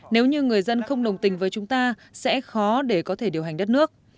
nếu như người dân không đồng tình với chúng ta sẽ khó để có thể điều hành đất nước